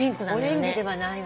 オレンジではないわね。